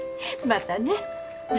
またね。